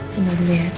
tinggal dulu ya